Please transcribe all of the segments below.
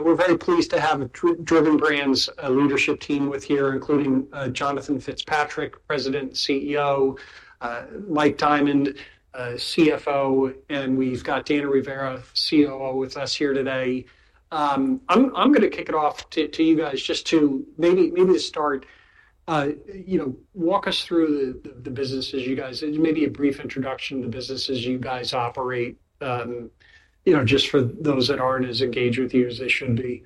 We're very pleased to have a Driven Brands leadership team with here, including Jonathan Fitzpatrick, President and CEO, Mike Diamond, CFO, and we've got Daniel Rivera, COO, with us here today. I'm going to kick it off to you guys just to maybe start, walk us through the business as you guys, maybe a brief introduction to the business as you guys operate, just for those that aren't as engaged with you as they should be.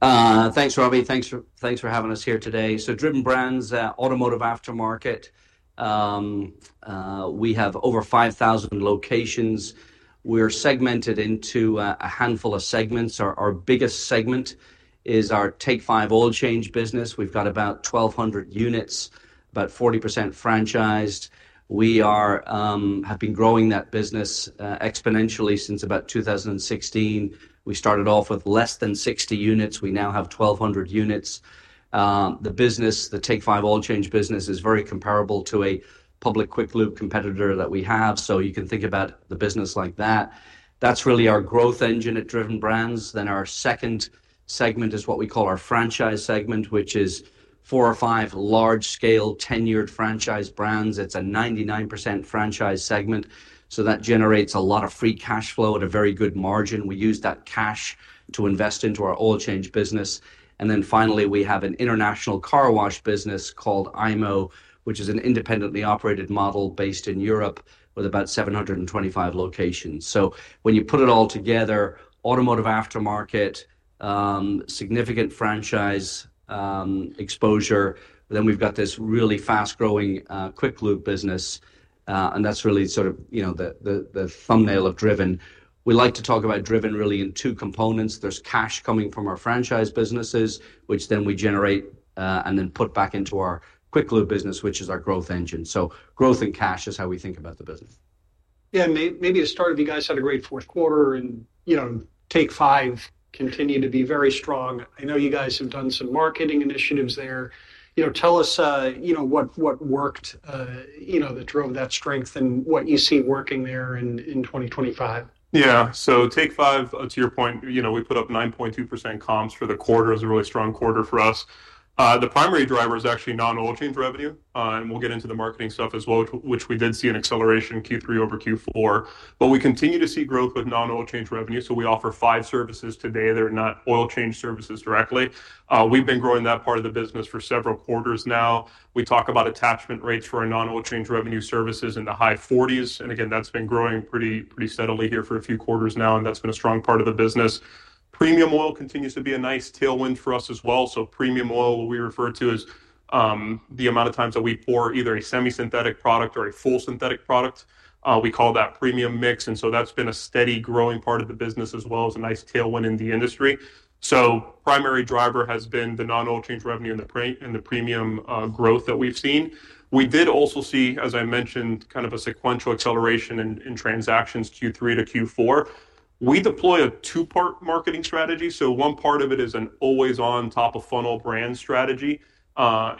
Thanks, Robbie. Thanks for having us here today. Driven Brands, automotive aftermarket. We have over 5,000 locations. We're segmented into a handful of segments. Our biggest segment is our Take 5 Oil Change business. We've got about 1,200 units, about 40% franchised. We have been growing that business exponentially since about 2016. We started off with less than 60 units. We now have 1,200 units. The Take 5 Oil Change business is very comparable to a public quick lube competitor that we have. You can think about the business like that. That's really our growth engine at Driven Brands. Our second segment is what we call our franchise segment, which is four or five large-scale tenured franchise brands. It's a 99% franchise segment. That generates a lot of free cash flow at a very good margin. We use that cash to invest into our oil change business. Finally, we have an international car wash business called IMO, which is an independently operated model based in Europe with about 725 locations. When you put it all together, automotive aftermarket, significant franchise exposure, then we've got this really fast-growing Quick Loop business. That's really sort of the thumbnail of Driven. We like to talk about Driven really in two components. There's cash coming from our franchise businesses, which then we generate and then put back into our Quick Loop business, which is our growth engine. Growth and cash is how we think about the business. Yeah. Maybe to start, you guys had a great fourth quarter and Take 5 continued to be very strong. I know you guys have done some marketing initiatives there. Tell us what worked that drove that strength and what you see working there in 2025. Yeah. So Take 5, to your point, we put up 9.2% comps for the quarter. It was a really strong quarter for us. The primary driver is actually non-oil change revenue. We will get into the marketing stuff as well, which we did see an acceleration Q3 over Q4. We continue to see growth with non-oil change revenue. We offer five services today. They are not oil change services directly. We have been growing that part of the business for several quarters now. We talk about attachment rates for our non-oil change revenue services in the high 40s. That has been growing pretty steadily here for a few quarters now. That has been a strong part of the business. Premium oil continues to be a nice tailwind for us as well. Premium oil, we refer to as the amount of times that we pour either a semi-synthetic product or a full synthetic product. We call that premium mix. That has been a steady growing part of the business as well as a nice tailwind in the industry. The primary driver has been the non-oil change revenue and the premium growth that we've seen. We did also see, as I mentioned, kind of a sequential acceleration in transactions Q3 to Q4. We deploy a two-part marketing strategy. One part of it is an always-on top-of-funnel brand strategy.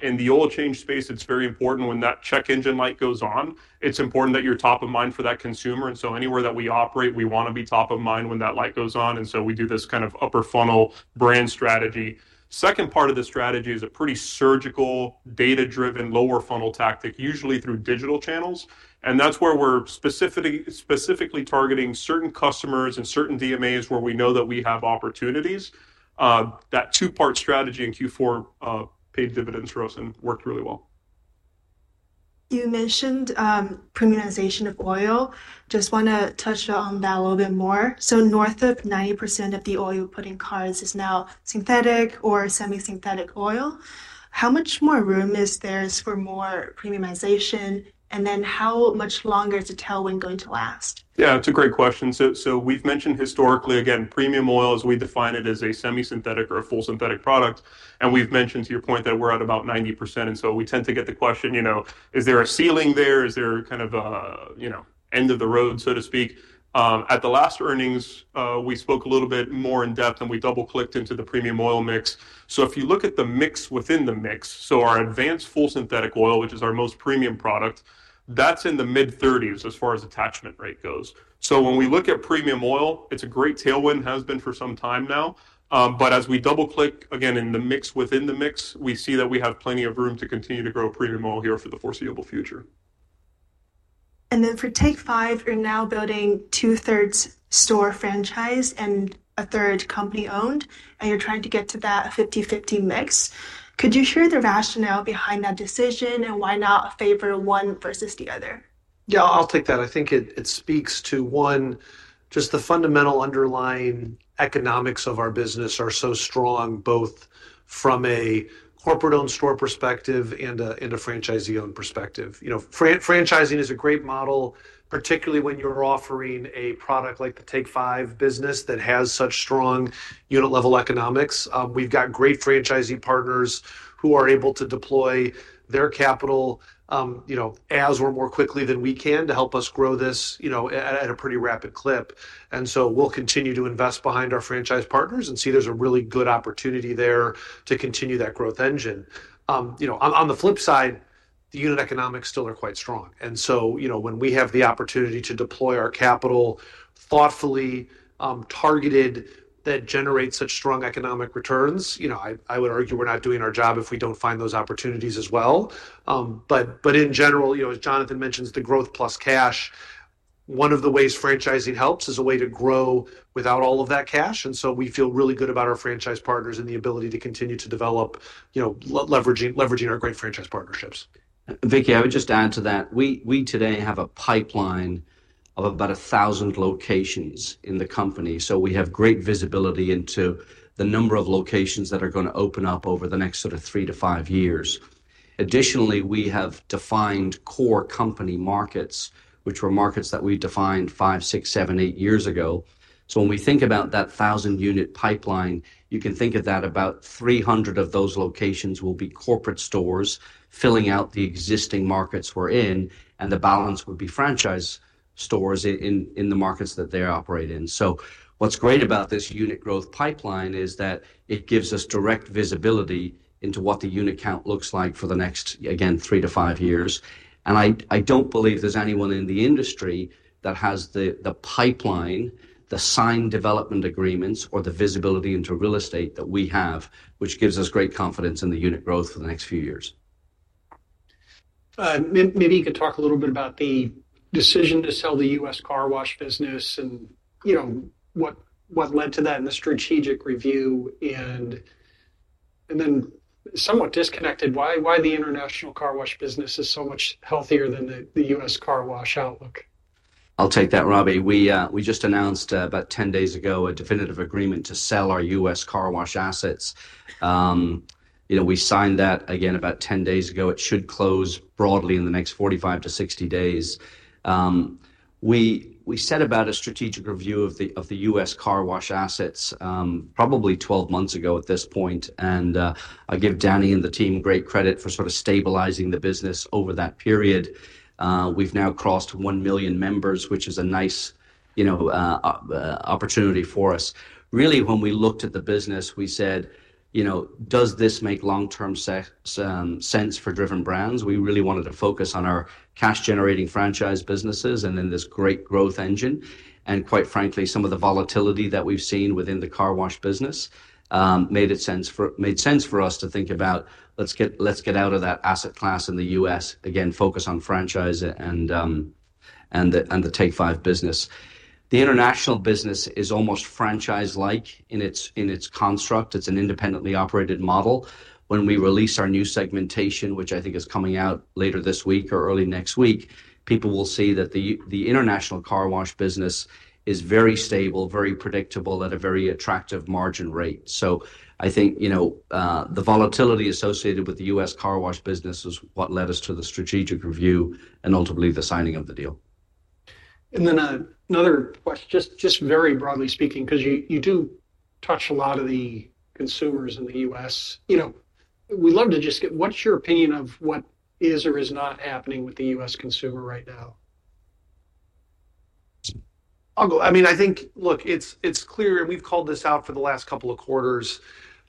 In the oil change space, it's very important when that check engine light goes on, it's important that you're top of mind for that consumer. Anywhere that we operate, we want to be top of mind when that light goes on. We do this kind of upper-funnel brand strategy. The second part of the strategy is a pretty surgical, data-driven lower-funnel tactic, usually through digital channels. That is where we are specifically targeting certain customers and certain DMAs where we know that we have opportunities. That two-part strategy in Q4 paid dividends, Rosen, worked really well. You mentioned premiumization of oil. Just want to touch on that a little bit more. North of 90% of the oil you put in cars is now synthetic or semi-synthetic oil. How much more room is there for more premiumization? How much longer is the tailwind going to last? Yeah, it's a great question. We've mentioned historically, again, premium oils, we define it as a semi-synthetic or a full synthetic product. We've mentioned to your point that we're at about 90%. We tend to get the question, is there a ceiling there? Is there kind of an end of the road, so to speak? At the last earnings, we spoke a little bit more in depth, and we double-clicked into the premium oil mix. If you look at the mix within the mix, our advanced full synthetic oil, which is our most premium product, that's in the mid-30s as far as attachment rate goes. When we look at premium oil, it's a great tailwind, has been for some time now. As we double-click, again, in the mix within the mix, we see that we have plenty of room to continue to grow premium oil here for the foreseeable future. For Take 5, you're now building two-thirds store franchise and a third company-owned, and you're trying to get to that 50/50 mix. Could you share the rationale behind that decision and why not favor one versus the other? Yeah, I'll take that. I think it speaks to, one, just the fundamental underlying economics of our business are so strong both from a corporate-owned store perspective and a franchisee-owned perspective. Franchising is a great model, particularly when you're offering a product like the Take 5 business that has such strong unit-level economics. We've got great franchisee partners who are able to deploy their capital as or more quickly than we can to help us grow this at a pretty rapid clip. We'll continue to invest behind our franchise partners and see there's a really good opportunity there to continue that growth engine. On the flip side, the unit economics still are quite strong. When we have the opportunity to deploy our capital thoughtfully, targeted, that generates such strong economic returns, I would argue we're not doing our job if we don't find those opportunities as well. In general, as Jonathan mentioned, the growth plus cash, one of the ways franchising helps is a way to grow without all of that cash. We feel really good about our franchise partners and the ability to continue to develop, leveraging our great franchise partnerships. Vicky, I would just add to that. We today have a pipeline of about 1,000 locations in the company. We have great visibility into the number of locations that are going to open up over the next sort of three to five years. Additionally, we have defined core company markets, which were markets that we defined five, six, seven, eight years ago. When we think about that 1,000-unit pipeline, you can think of that about 300 of those locations will be corporate stores filling out the existing markets we're in, and the balance would be franchise stores in the markets that they operate in. What's great about this unit growth pipeline is that it gives us direct visibility into what the unit count looks like for the next, again, three to five years. I don't believe there's anyone in the industry that has the pipeline, the signed development agreements, or the visibility into real estate that we have, which gives us great confidence in the unit growth for the next few years. Maybe you could talk a little bit about the decision to sell the US car wash business and what led to that and the strategic review. Then somewhat disconnected, why the international car wash business is so much healthier than the US car wash outlook? I'll take that, Robbie. We just announced about 10 days ago a definitive agreement to sell our US car wash assets. We signed that, again, about 10 days ago. It should close broadly in the next 45-60 days. We set about a strategic review of the US car wash assets probably 12 months ago at this point. I give Danny and the team great credit for sort of stabilizing the business over that period. We've now crossed 1 million members, which is a nice opportunity for us. Really, when we looked at the business, we said, "Does this make long-term sense for Driven Brands?" We really wanted to focus on our cash-generating franchise businesses and then this great growth engine. Quite frankly, some of the volatility that we've seen within the car wash business made sense for us to think about, "Let's get out of that asset class in the US, again, focus on franchise and the Take 5 business." The international business is almost franchise-like in its construct. It's an independently operated model. When we release our new segmentation, which I think is coming out later this week or early next week, people will see that the international car wash business is very stable, very predictable at a very attractive margin rate. I think the volatility associated with the US car wash business is what led us to the strategic review and ultimately the signing of the deal. Another question, just very broadly speaking, because you do touch a lot of the consumers in the US. We'd love to just get, what's your opinion of what is or is not happening with the US consumer right now? I mean, I think, look, it's clear, and we've called this out for the last couple of quarters.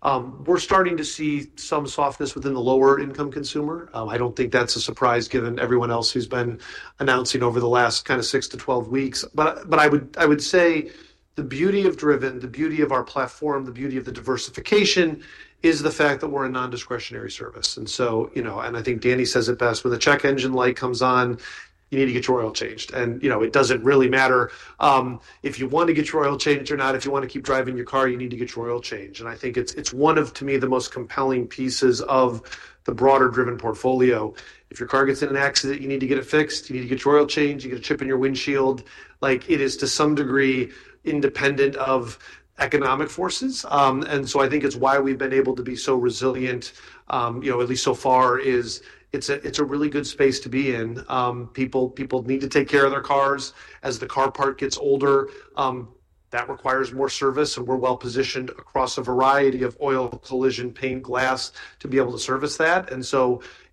We're starting to see some softness within the lower-income consumer. I don't think that's a surprise given everyone else who's been announcing over the last kind of 6 to 12 weeks. I would say the beauty of Driven, the beauty of our platform, the beauty of the diversification is the fact that we're a non-discretionary service. I think Danny says it best, "When the check engine light comes on, you need to get your oil changed." It does not really matter if you want to get your oil changed or not. If you want to keep driving your car, you need to get your oil changed. I think it is one of, to me, the most compelling pieces of the broader Driven portfolio. If your car gets in an accident, you need to get it fixed. You need to get your oil changed. You get a chip in your windshield. It is, to some degree, independent of economic forces. I think it is why we have been able to be so resilient, at least so far, because it is a really good space to be in. People need to take care of their cars. As the car part gets older, that requires more service. We are well-positioned across a variety of oil, collision, paint, and glass to be able to service that.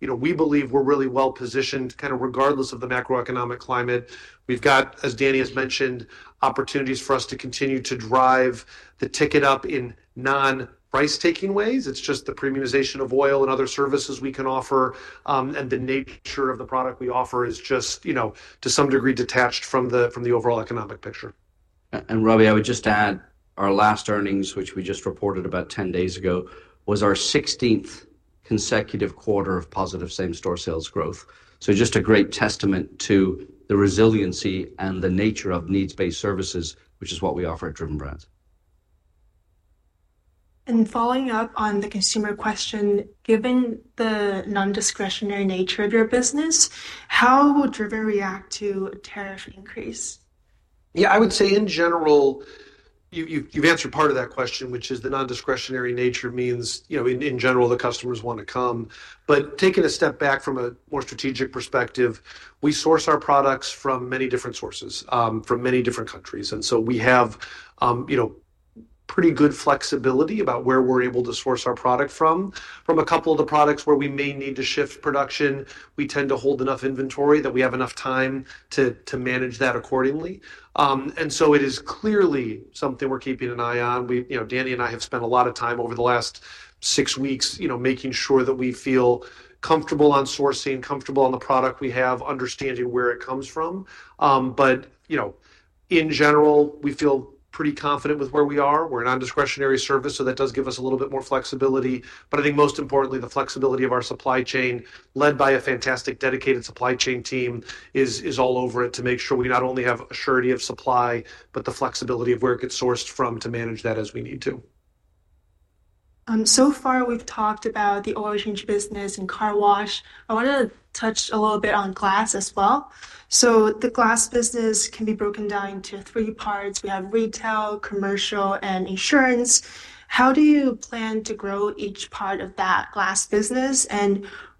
We believe we are really well-positioned kind of regardless of the macroeconomic climate. We have, as Danny has mentioned, opportunities for us to continue to drive the ticket up in non-price-taking ways. It is just the premiumization of oil and other services we can offer. The nature of the product we offer is just, to some degree, detached from the overall economic picture. Robbie, I would just add our last earnings, which we just reported about 10 days ago, was our 16th consecutive quarter of positive same-store sales growth. Just a great testament to the resiliency and the nature of needs-based services, which is what we offer at Driven Brands. Following up on the consumer question, given the non-discretionary nature of your business, how will Driven react to a tariff increase? Yeah, I would say in general, you've answered part of that question, which is the non-discretionary nature means, in general, the customers want to come. Taking a step back from a more strategic perspective, we source our products from many different sources from many different countries. We have pretty good flexibility about where we're able to source our product from. For a couple of the products where we may need to shift production, we tend to hold enough inventory that we have enough time to manage that accordingly. It is clearly something we're keeping an eye on. Danny and I have spent a lot of time over the last six weeks making sure that we feel comfortable on sourcing, comfortable on the product we have, understanding where it comes from. In general, we feel pretty confident with where we are. We're a non-discretionary service, so that does give us a little bit more flexibility. I think most importantly, the flexibility of our supply chain led by a fantastic dedicated supply chain team is all over it to make sure we not only have assurity of supply, but the flexibility of where it gets sourced from to manage that as we need to. So far, we've talked about the oil change business and car wash. I want to touch a little bit on glass as well. The glass business can be broken down into three parts. We have retail, commercial, and insurance. How do you plan to grow each part of that glass business?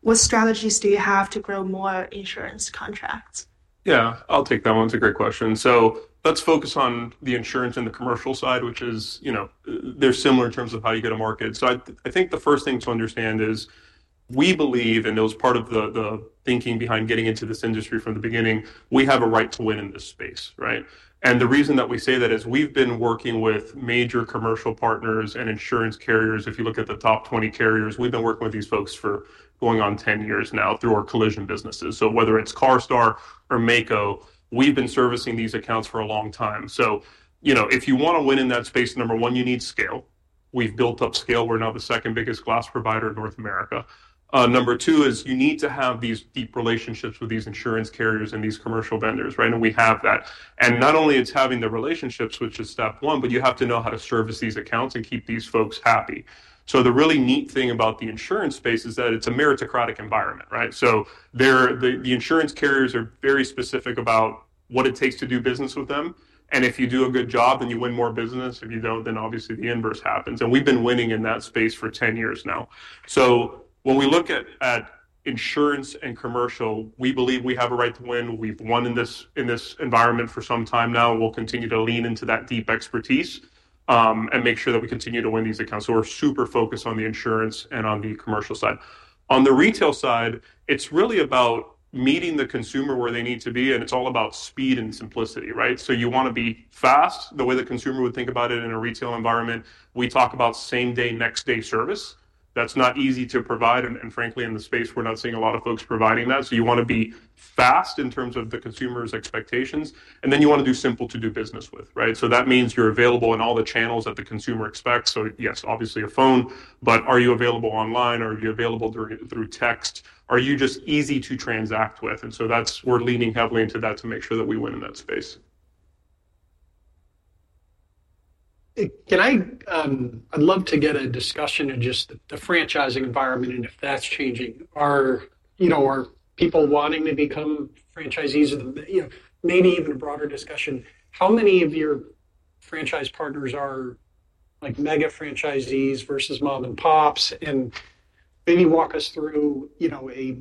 What strategies do you have to grow more insurance contracts? Yeah, I'll take that one. It's a great question. Let's focus on the insurance and the commercial side, which is they're similar in terms of how you get a market. I think the first thing to understand is we believe, and it was part of the thinking behind getting into this industry from the beginning, we have a right to win in this space, right? The reason that we say that is we've been working with major commercial partners and insurance carriers. If you look at the top 20 carriers, we've been working with these folks for going on 10 years now through our collision businesses. Whether it's CARSTAR or Maaco, we've been servicing these accounts for a long time. If you want to win in that space, number one, you need scale. We've built up scale. We're now the second biggest glass provider in North America. Number two is you need to have these deep relationships with these insurance carriers and these commercial vendors, right? We have that. Not only is having the relationships, which is step one, but you have to know how to service these accounts and keep these folks happy. The really neat thing about the insurance space is that it's a meritocratic environment, right? The insurance carriers are very specific about what it takes to do business with them. If you do a good job, then you win more business. If you don't, then obviously the inverse happens. We've been winning in that space for 10 years now. When we look at insurance and commercial, we believe we have a right to win. We've won in this environment for some time now. We'll continue to lean into that deep expertise and make sure that we continue to win these accounts. We're super focused on the insurance and on the commercial side. On the retail side, it's really about meeting the consumer where they need to be. It's all about speed and simplicity, right? You want to be fast the way the consumer would think about it in a retail environment. We talk about same-day, next-day service. That's not easy to provide. Frankly, in the space, we're not seeing a lot of folks providing that. You want to be fast in terms of the consumer's expectations. You want to be simple to do business with, right? That means you're available in all the channels that the consumer expects. Yes, obviously a phone, but are you available online? Are you available through text? Are you just easy to transact with? We are leaning heavily into that to make sure that we win in that space. I'd love to get a discussion of just the franchising environment and if that's changing. Are people wanting to become franchisees? Maybe even a broader discussion. How many of your franchise partners are mega franchisees versus mom-and-pops? Maybe walk us through a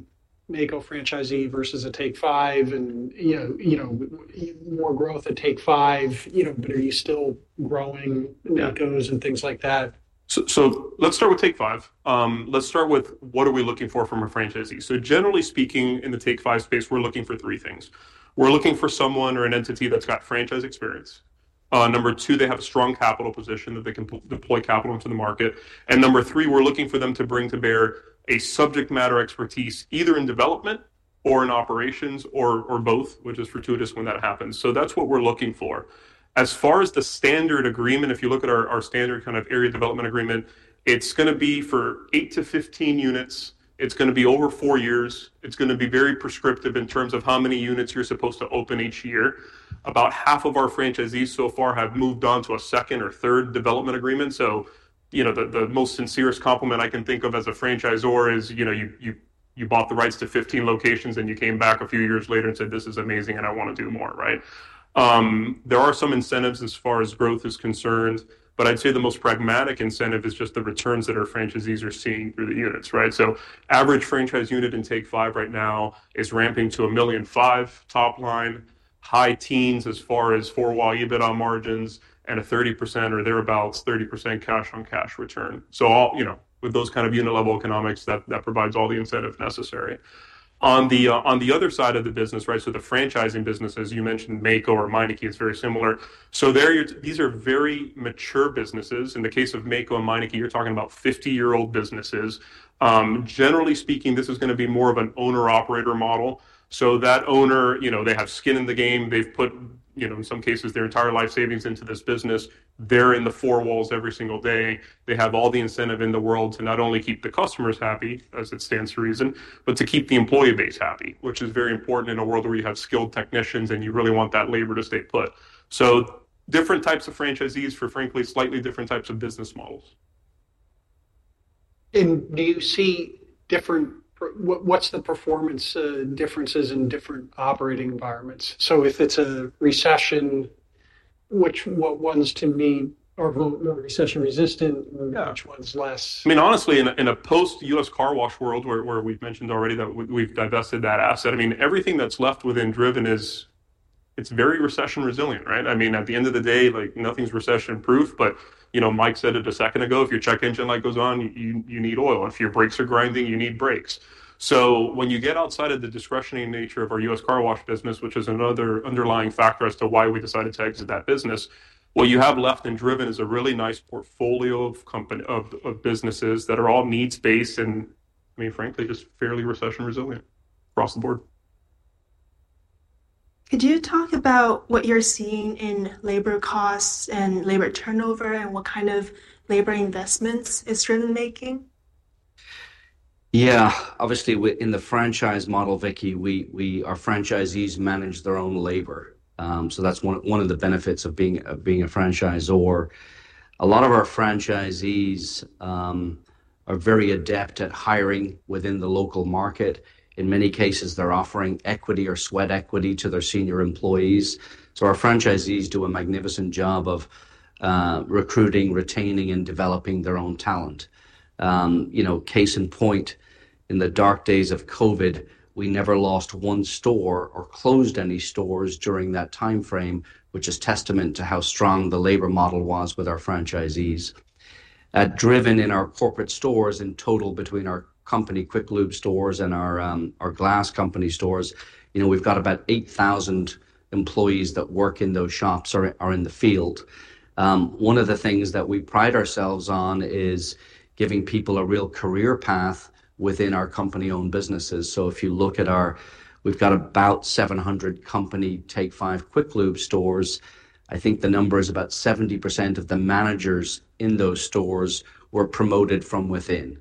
Meineke franchisee versus a Take 5 and more growth at Take 5. Are you still growing Meinekes and things like that? Let's start with Take 5. Let's start with what are we looking for from a franchisee? Generally speaking, in the Take 5 space, we're looking for three things. We're looking for someone or an entity that's got franchise experience. Number two, they have a strong capital position that they can deploy capital into the market. Number three, we're looking for them to bring to bear a subject matter expertise either in development or in operations or both, which is fortuitous when that happens. That's what we're looking for. As far as the standard agreement, if you look at our standard kind of area development agreement, it's going to be for 8-15 units. It's going to be over four years. It's going to be very prescriptive in terms of how many units you're supposed to open each year. About half of our franchisees so far have moved on to a second or third development agreement. The most sincere compliment I can think of as a franchisor is you bought the rights to 15 locations, and you came back a few years later and said, "This is amazing, and I want to do more," right? There are some incentives as far as growth is concerned, but I'd say the most pragmatic incentive is just the returns that our franchisees are seeing through the units, right? Average franchise unit in Take 5 right now is ramping to $1.5 million top line, high teens as far as four-wall EBITDA margins, and a 30% or thereabouts 30% cash-on-cash return. With those kind of unit-level economics, that provides all the incentive necessary. On the other side of the business, right? The franchising business, as you mentioned, Maaco or Meineke, is very similar. These are very mature businesses. In the case of Maaco and Meineke, you're talking about 50-year-old businesses. Generally speaking, this is going to be more of an owner-operator model. That owner, they have skin in the game. They've put, in some cases, their entire life savings into this business. They're in the four walls every single day. They have all the incentive in the world to not only keep the customers happy, as it stands to reason, but to keep the employee base happy, which is very important in a world where you have skilled technicians and you really want that labor to stay put. Different types of franchisees for, frankly, slightly different types of business models. Do you see different, what's the performance differences in different operating environments? If it's a recession, which ones, I mean, are more recession-resistant, which ones less? I mean, honestly, in a post-US car wash world where we've mentioned already that we've divested that asset, everything that's left within Driven is it's very recession-resilient, right? I mean, at the end of the day, nothing's recession-proof. Mike said it a second ago, "If your check engine light goes on, you need oil. If your brakes are grinding, you need brakes." When you get outside of the discretionary nature of our US car wash business, which is another underlying factor as to why we decided to exit that business, what you have left in Driven is a really nice portfolio of businesses that are all needs-based and, I mean, frankly, just fairly recession-resilient across the board. Could you talk about what you're seeing in labor costs and labor turnover and what kind of labor investments is Driven making? Yeah. Obviously, in the franchise model, Vicky, our franchisees manage their own labor. That is one of the benefits of being a franchisor. A lot of our franchisees are very adept at hiring within the local market. In many cases, they're offering equity or sweat equity to their senior employees. Our franchisees do a magnificent job of recruiting, retaining, and developing their own talent. Case in point, in the dark days of COVID, we never lost one store or closed any stores during that timeframe, which is testament to how strong the labor model was with our franchisees. At Driven, in our corporate stores in total between our company Quick Lube stores and our glass company stores, we've got about 8,000 employees that work in those shops or are in the field. One of the things that we pride ourselves on is giving people a real career path within our company-owned businesses. If you look at our, we've got about 700 company Take 5 Oil Change stores. I think the number is about 70% of the managers in those stores were promoted from within.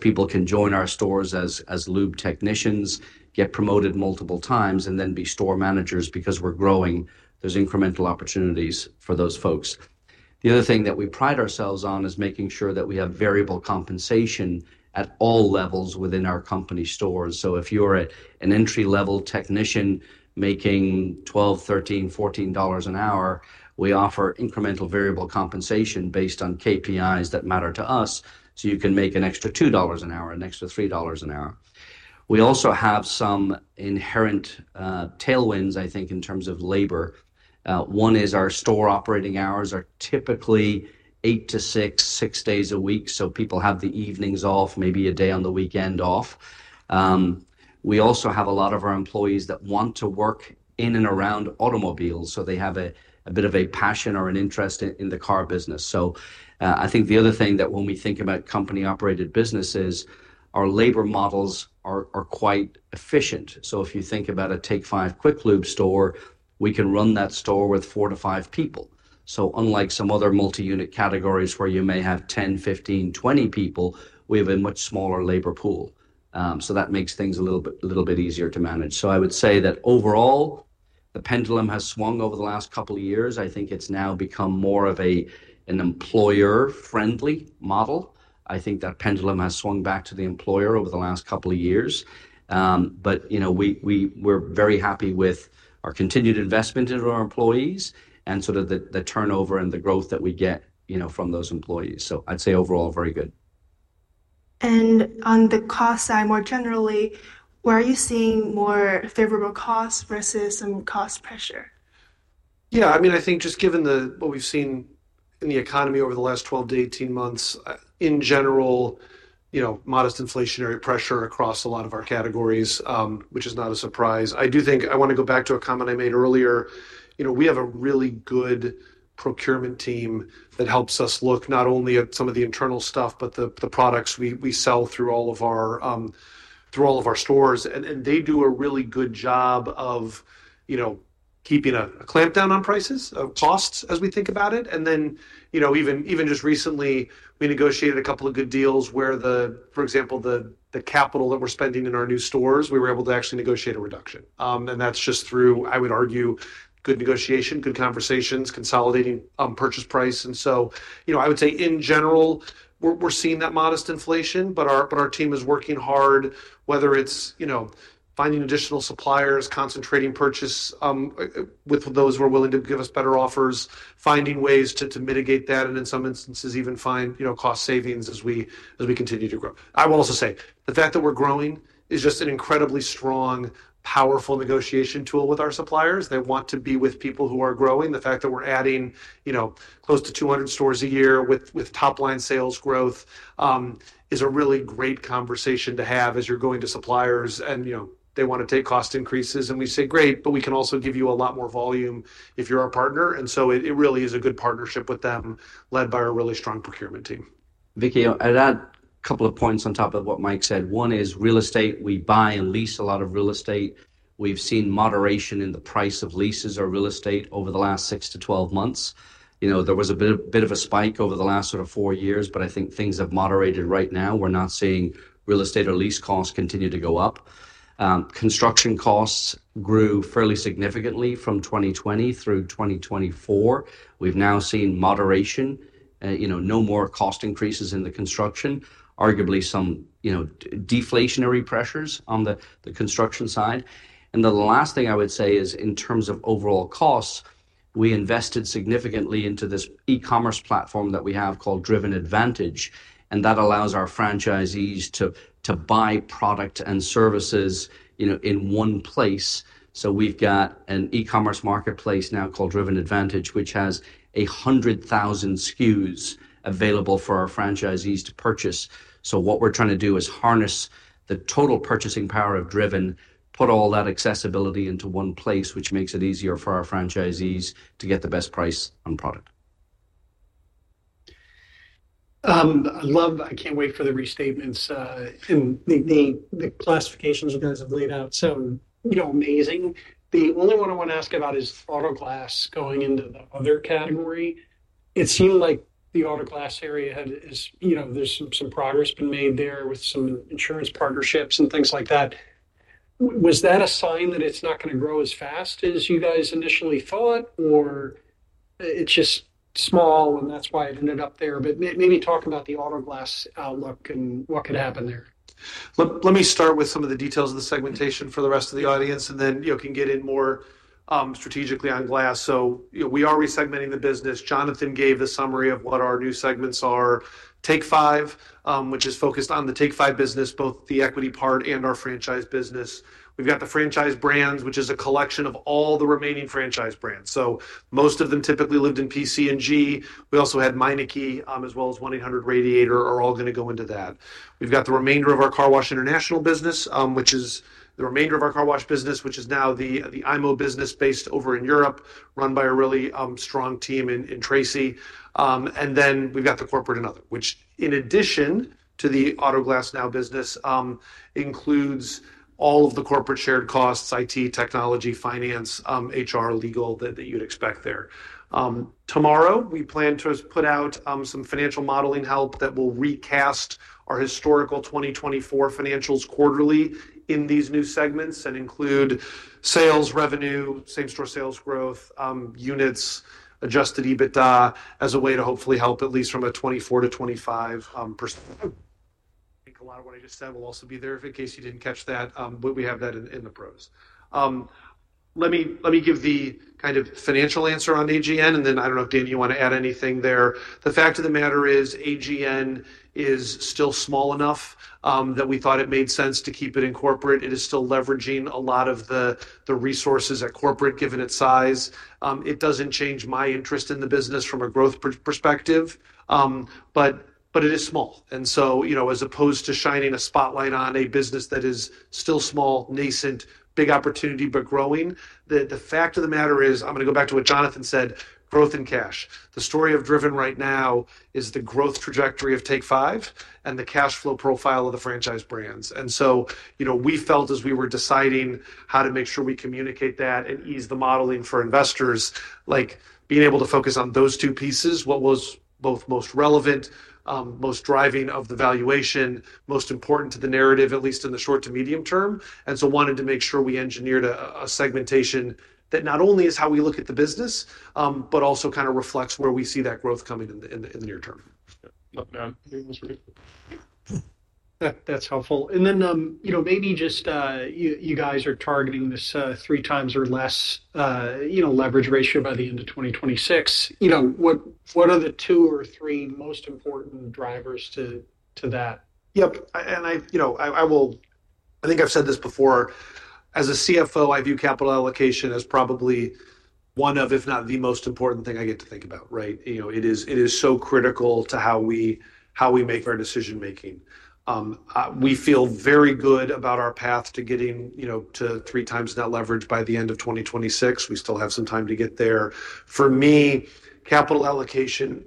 People can join our stores as lube technicians, get promoted multiple times, and then be store managers because we're growing. There are incremental opportunities for those folks. The other thing that we pride ourselves on is making sure that we have variable compensation at all levels within our company stores. If you're an entry-level technician making $12, $13, $14 an hour, we offer incremental variable compensation based on KPIs that matter to us. You can make an extra $2 an hour, an extra $3 an hour. We also have some inherent tailwinds, I think, in terms of labor. One is our store operating hours are typically 8:00 A.M. to 6:00 P.M., six days a week. So people have the evenings off, maybe a day on the weekend off. We also have a lot of our employees that want to work in and around automobiles. So they have a bit of a passion or an interest in the car business. I think the other thing that when we think about company-operated businesses, our labor models are quite efficient. If you think about a Take 5 Quick Lube store, we can run that store with four to five people. Unlike some other multi-unit categories where you may have 10, 15, 20 people, we have a much smaller labor pool. That makes things a little bit easier to manage. I would say that overall, the pendulum has swung over the last couple of years. I think it's now become more of an employer-friendly model. I think that pendulum has swung back to the employer over the last couple of years. We're very happy with our continued investment in our employees and sort of the turnover and the growth that we get from those employees. I'd say overall, very good. On the cost side, more generally, where are you seeing more favorable costs versus some cost pressure? Yeah. I mean, I think just given what we've seen in the economy over the last 12 to 18 months, in general, modest inflationary pressure across a lot of our categories, which is not a surprise. I do think I want to go back to a comment I made earlier. We have a really good procurement team that helps us look not only at some of the internal stuff, but the products we sell through all of our stores. They do a really good job of keeping a clamp down on prices, costs as we think about it. Even just recently, we negotiated a couple of good deals where, for example, the capital that we're spending in our new stores, we were able to actually negotiate a reduction. That's just through, I would argue, good negotiation, good conversations, consolidating purchase price. I would say, in general, we're seeing that modest inflation, but our team is working hard, whether it's finding additional suppliers, concentrating purchase with those who are willing to give us better offers, finding ways to mitigate that, and in some instances, even find cost savings as we continue to grow. I will also say the fact that we're growing is just an incredibly strong, powerful negotiation tool with our suppliers. They want to be with people who are growing. The fact that we're adding close to 200 stores a year with top-line sales growth is a really great conversation to have as you're going to suppliers. They want to take cost increases. We say, "Great, but we can also give you a lot more volume if you're our partner." It really is a good partnership with them led by a really strong procurement team. Vicky, I'd add a couple of points on top of what Mike said. One is real estate. We buy and lease a lot of real estate. We've seen moderation in the price of leases or real estate over the last 6 to 12 months. There was a bit of a spike over the last sort of four years, but I think things have moderated right now. We're not seeing real estate or lease costs continue to go up. Construction costs grew fairly significantly from 2020 through 2024. We've now seen moderation, no more cost increases in the construction, arguably some deflationary pressures on the construction side. The last thing I would say is in terms of overall costs, we invested significantly into this e-commerce platform that we have called Driven Advantage. That allows our franchisees to buy product and services in one place. We have an e-commerce marketplace now called Driven Advantage, which has 100,000 SKUs available for our franchisees to purchase. What we are trying to do is harness the total purchasing power of Driven, put all that accessibility into one place, which makes it easier for our franchisees to get the best price on product. I can't wait for the restatements and the classifications you guys have laid out. So amazing. The only one I want to ask about is auto glass going into the other category. It seemed like the auto glass area has there's some progress been made there with some insurance partnerships and things like that. Was that a sign that it's not going to grow as fast as you guys initially thought, or it's just small and that's why it ended up there? Maybe talk about the auto glass outlook and what could happen there. Let me start with some of the details of the segmentation for the rest of the audience, and then you can get in more strategically on glass. We are resegmenting the business. Jonathan gave the summary of what our new segments are. Take 5, which is focused on the Take 5 business, both the equity part and our franchise business. We have the franchise brands, which is a collection of all the remaining franchise brands. Most of them typically lived in PC&G. We also had Meineke as well as 1-800-Radiator & A/C are all going to go into that. We have the remainder of our car wash international business, which is the remainder of our car wash business, which is now the IMO business based over in Europe, run by a really strong team in Tracy. We have the corporate and other, which in addition to the Auto Glass Now business, includes all of the corporate shared costs, IT, technology, finance, HR, legal that you'd expect there. Tomorrow, we plan to put out some financial modeling help that will recast our historical 2024 financials quarterly in these new segments and include sales, revenue, same-store sales growth, units, adjusted EBITDA as a way to hopefully help at least from a 24% to 25%. I think a lot of what I just said will also be there if in case you didn't catch that. We have that in the pros. Let me give the kind of financial answer on AGN, and then I don't know if Danny, you want to add anything there. The fact of the matter is AGN is still small enough that we thought it made sense to keep it in corporate. It is still leveraging a lot of the resources at corporate given its size. It does not change my interest in the business from a growth perspective, but it is small. As opposed to shining a spotlight on a business that is still small, nascent, big opportunity, but growing, the fact of the matter is I am going to go back to what Jonathan said, growth and cash. The story of Driven right now is the growth trajectory of Take 5 and the cash flow profile of the franchise brands. We felt as we were deciding how to make sure we communicate that and ease the modeling for investors, like being able to focus on those two pieces, what was both most relevant, most driving of the valuation, most important to the narrative, at least in the short to medium term. We wanted to make sure we engineered a segmentation that not only is how we look at the business, but also kind of reflects where we see that growth coming in the near term. That's helpful. Maybe just you guys are targeting this three times or less leverage ratio by the end of 2026. What are the two or three most important drivers to that? Yep. I think I've said this before, as a CFO, I view capital allocation as probably one of, if not the most important thing I get to think about, right? It is so critical to how we make our decision-making. We feel very good about our path to getting to three times that leverage by the end of 2026. We still have some time to get there. For me, capital allocation,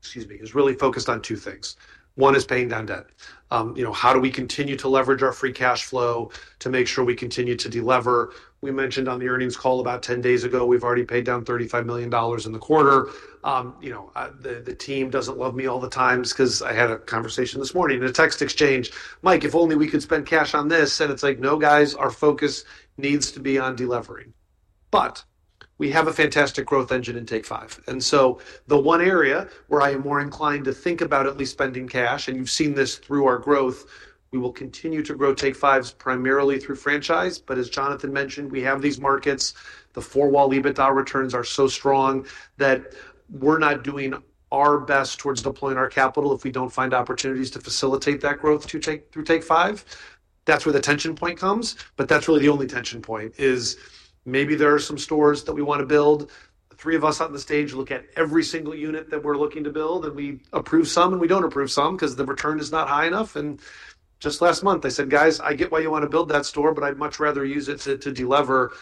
excuse me, is really focused on two things. One is paying down debt. How do we continue to leverage our free cash flow to make sure we continue to deliver? We mentioned on the earnings call about 10 days ago, we've already paid down $35 million in the quarter. The team doesn't love me all the times because I had a conversation this morning in a text exchange. Mike, if only we could spend cash on this. It's like, no, guys, our focus needs to be on delivering. We have a fantastic growth engine in Take 5. The one area where I am more inclined to think about at least spending cash, and you've seen this through our growth, we will continue to grow Take 5s primarily through franchise. As Jonathan mentioned, we have these markets. The four-wall EBITDA returns are so strong that we're not doing our best towards deploying our capital if we don't find opportunities to facilitate that growth through Take 5. That's where the tension point comes. That's really the only tension point, is maybe there are some stores that we want to build. The three of us on the stage look at every single unit that we're looking to build, and we approve some, and we don't approve some because the return is not high enough. Just last month, I said, "Guys, I get why you want to build that store, but I'd much rather use it to deliver."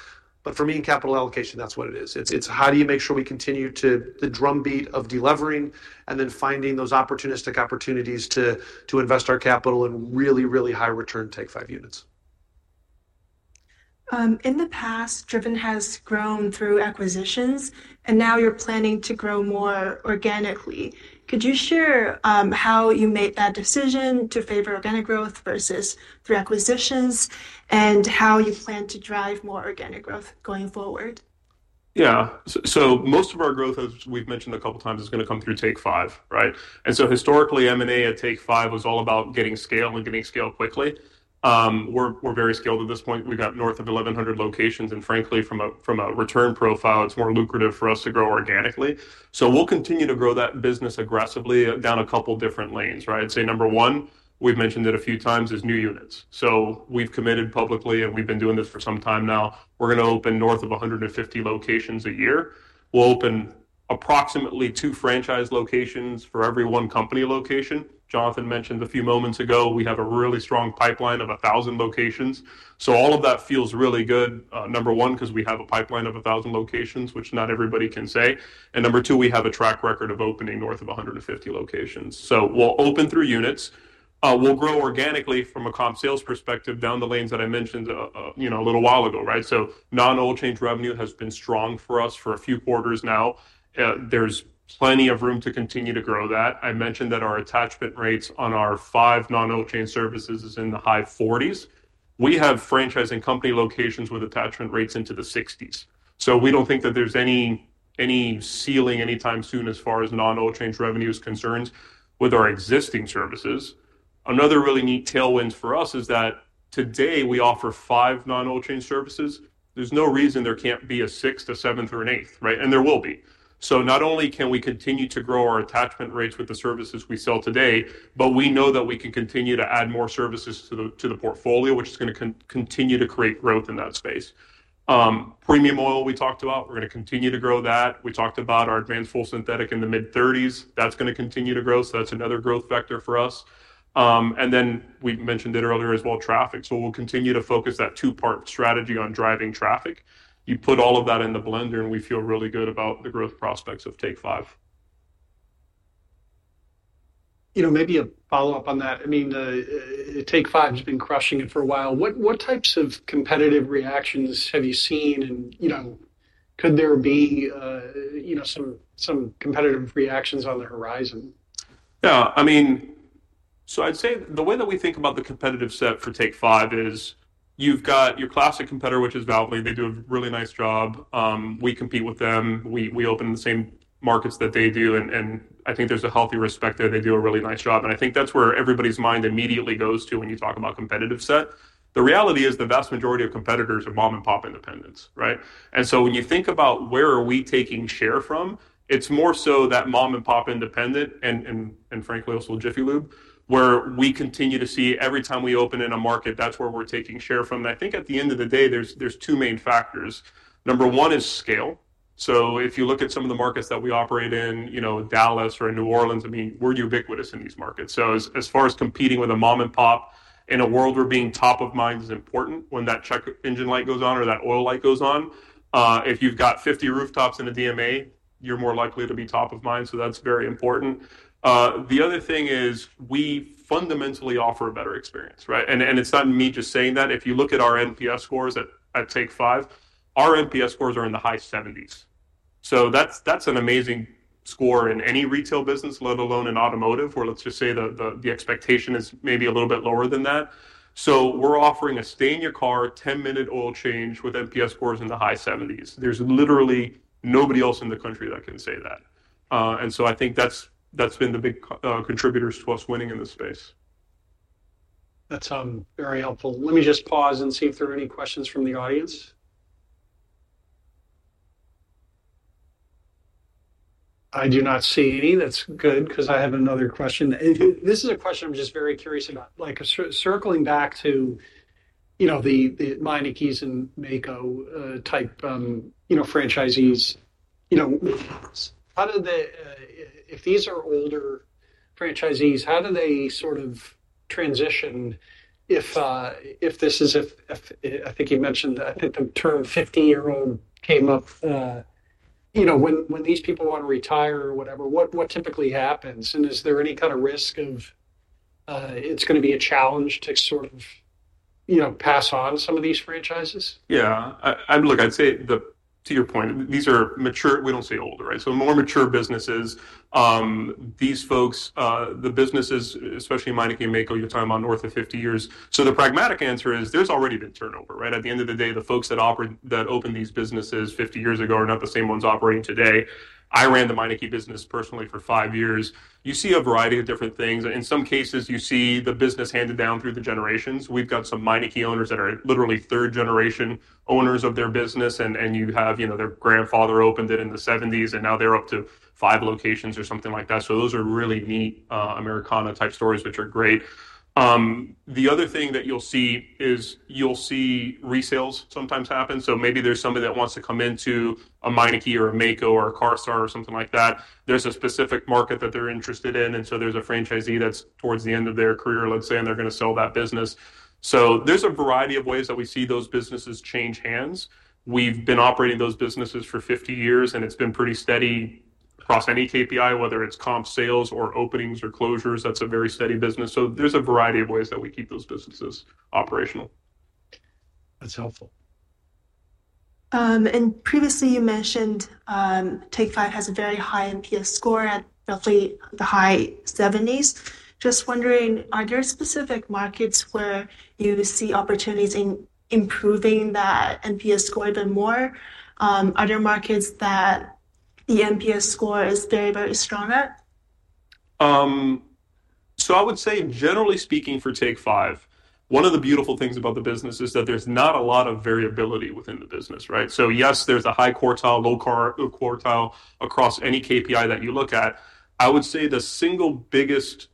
For me, in capital allocation, that's what it is. It's how do you make sure we continue to the drumbeat of delivering and then finding those opportunistic opportunities to invest our capital in really, really high-return Take 5 units. In the past, Driven has grown through acquisitions, and now you're planning to grow more organically. Could you share how you made that decision to favor organic growth versus through acquisitions and how you plan to drive more organic growth going forward? Yeah. Most of our growth, as we've mentioned a couple of times, is going to come through Take 5, right? Historically, M&A at Take 5 was all about getting scale and getting scale quickly. We're very scaled at this point. We've got north of 1,100 locations. Frankly, from a return profile, it's more lucrative for us to grow organically. We'll continue to grow that business aggressively down a couple of different lanes, right? I'd say number one, we've mentioned it a few times, is new units. We've committed publicly, and we've been doing this for some time now. We're going to open north of 150 locations a year. We'll open approximately two franchise locations for every one company location. Jonathan mentioned a few moments ago, we have a really strong pipeline of 1,000 locations. All of that feels really good, number one, because we have a pipeline of 1,000 locations, which not everybody can say. Number two, we have a track record of opening north of 150 locations. We will open through units. We will grow organically from a comp sales perspective down the lanes that I mentioned a little while ago, right? Non-oil change revenue has been strong for us for a few quarters now. There is plenty of room to continue to grow that. I mentioned that our attachment rates on our five non-oil change services is in the high 40s. We have franchising company locations with attachment rates into the 60s. We do not think that there is any ceiling anytime soon as far as non-oil change revenue is concerned with our existing services. Another really neat tailwind for us is that today we offer five non-oil change services. There's no reason there can't be a sixth, a seventh, or an eighth, right? There will be. Not only can we continue to grow our attachment rates with the services we sell today, but we know that we can continue to add more services to the portfolio, which is going to continue to create growth in that space. Premium oil we talked about. We're going to continue to grow that. We talked about our advanced full synthetic in the mid-30s. That's going to continue to grow. That's another growth vector for us. We mentioned it earlier as well, traffic. We'll continue to focus that two-part strategy on driving traffic. You put all of that in the blender, and we feel really good about the growth prospects of Take 5. Maybe a follow-up on that. I mean, Take 5 has been crushing it for a while. What types of competitive reactions have you seen? Could there be some competitive reactions on the horizon? Yeah. I mean, so I'd say the way that we think about the competitive set for Take 5 is you've got your classic competitor, which is Valvoline. They do a really nice job. We compete with them. We open in the same markets that they do. I think there's a healthy respect there. They do a really nice job. I think that's where everybody's mind immediately goes to when you talk about competitive set. The reality is the vast majority of competitors are mom-and-pop independents, right? When you think about where are we taking share from, it's more so that mom-and-pop independent and, frankly, also Jiffy Lube, where we continue to see every time we open in a market, that's where we're taking share from. I think at the end of the day, there's two main factors. Number one is scale. If you look at some of the markets that we operate in, Dallas or New Orleans, I mean, we're ubiquitous in these markets. As far as competing with a mom-and-pop in a world where being top of mind is important when that check engine light goes on or that oil light goes on, if you've got 50 rooftops in a DMA, you're more likely to be top of mind. That's very important. The other thing is we fundamentally offer a better experience, right? It's not me just saying that. If you look at our NPS scores at Take 5, our NPS scores are in the high 70s. That's an amazing score in any retail business, let alone in automotive, where let's just say the expectation is maybe a little bit lower than that. We're offering a stay-in-your-car 10-minute oil change with NPS scores in the high 70s. There's literally nobody else in the country that can say that. I think that's been the big contributors to us winning in this space. That's very helpful. Let me just pause and see if there are any questions from the audience. I do not see any. That's good because I have another question. This is a question I'm just very curious about. Circling back to the Meineke and Maaco type franchisees, if these are older franchisees, how do they sort of transition? If this is, I think you mentioned the term 50-year-old came up. When these people want to retire or whatever, what typically happens? Is there any kind of risk of it's going to be a challenge to sort of pass on some of these franchises? Yeah. Look, I'd say to your point, these are mature. We don't say older, right? More mature businesses, these folks, the businesses, especially Meineke and Maaco, you're talking about north of 50 years. The pragmatic answer is there's already been turnover, right? At the end of the day, the folks that opened these businesses 50 years ago are not the same ones operating today. I ran the Meineke business personally for five years. You see a variety of different things. In some cases, you see the business handed down through the generations. We've got some Meineke owners that are literally third-generation owners of their business. You have their grandfather opened it in the 1970s, and now they're up to five locations or something like that. Those are really neat Americana-type stories, which are great. The other thing that you'll see is you'll see resales sometimes happen. Maybe there's somebody that wants to come into a Meineke or a Maaco or a CARSTAR or something like that. There's a specific market that they're interested in. There's a franchisee that's towards the end of their career, let's say, and they're going to sell that business. There's a variety of ways that we see those businesses change hands. We've been operating those businesses for 50 years, and it's been pretty steady across any KPI, whether it's comp sales or openings or closures. That's a very steady business. There's a variety of ways that we keep those businesses operational. That's helpful. Previously, you mentioned Take 5 has a very high NPS score at roughly the high 70s. Just wondering, are there specific markets where you see opportunities in improving that NPS score even more? Are there markets that the NPS score is very, very strong at? I would say, generally speaking, for Take 5, one of the beautiful things about the business is that there's not a lot of variability within the business, right? Yes, there's a high quartile, low quartile across any KPI that you look at. I would say the single biggest factor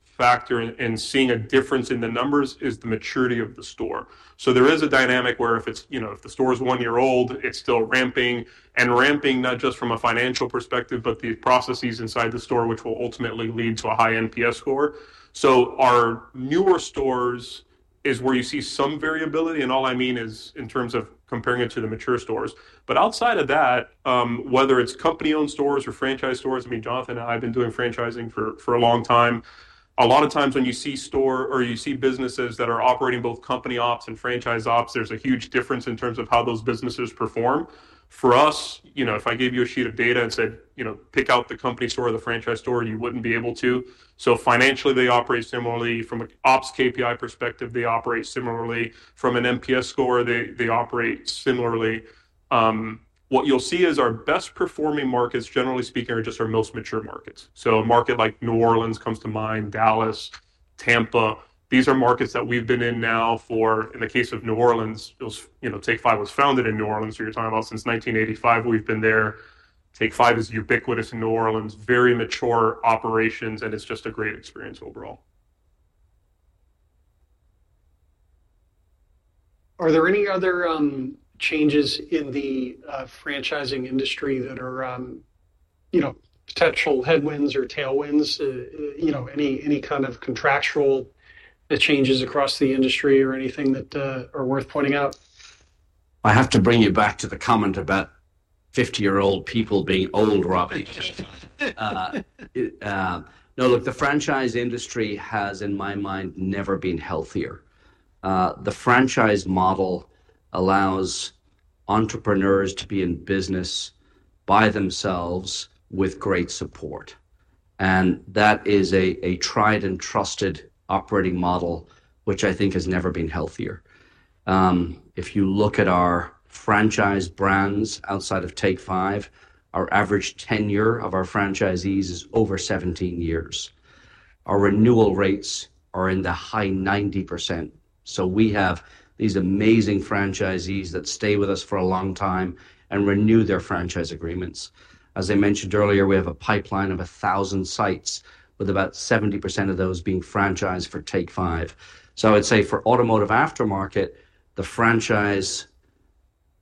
in seeing a difference in the numbers is the maturity of the store. There is a dynamic where if the store is one year old, it's still ramping and ramping not just from a financial perspective, but the processes inside the store, which will ultimately lead to a high NPS score. Our newer stores is where you see some variability. All I mean is in terms of comparing it to the mature stores. Outside of that, whether it's company-owned stores or franchise stores, I mean, Jonathan and I have been doing franchising for a long time. A lot of times when you see store or you see businesses that are operating both company ops and franchise ops, there's a huge difference in terms of how those businesses perform. For us, if I gave you a sheet of data and said, "Pick out the company store or the franchise store," you wouldn't be able to. Financially, they operate similarly. From an ops KPI perspective, they operate similarly. From an NPS score, they operate similarly. What you'll see is our best-performing markets, generally speaking, are just our most mature markets. A market like New Orleans comes to mind, Dallas, Tampa. These are markets that we've been in now for, in the case of New Orleans, Take 5 was founded in New Orleans. You're talking about since 1985, we've been there. Take 5 is ubiquitous in New Orleans, very mature operations, and it's just a great experience overall. Are there any other changes in the franchising industry that are potential headwinds or tailwinds? Any kind of contractual changes across the industry or anything that are worth pointing out? I have to bring you back to the comment about 50-year-old people being old, Robbie. No, look, the franchise industry has, in my mind, never been healthier. The franchise model allows entrepreneurs to be in business by themselves with great support. That is a tried and trusted operating model, which I think has never been healthier. If you look at our franchise brands outside of Take 5, our average tenure of our franchisees is over 17 years. Our renewal rates are in the high 90%. We have these amazing franchisees that stay with us for a long time and renew their franchise agreements. As I mentioned earlier, we have a pipeline of 1,000 sites, with about 70% of those being franchised for Take 5. I would say for automotive aftermarket, the franchise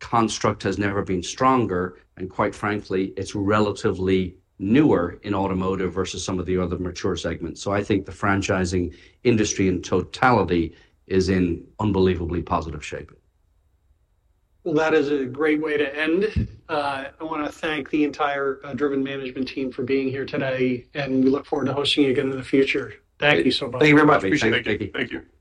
construct has never been stronger. Quite frankly, it's relatively newer in automotive versus some of the other mature segments. I think the franchising industry in totality is in unbelievably positive shape. That is a great way to end. I want to thank the entire Driven Management team for being here today. We look forward to hosting you again in the future. Thank you so much. Thank you very much. Appreciate it. Thank you.